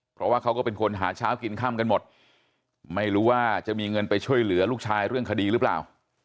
เพราะว่าเขาก็เป็นคนหาเช้ากินค่ำกันหมดไม่รู้ว่าจะมีเงินไปช่วยเหลือลูกชายเรื่องคดีหรือเปล่า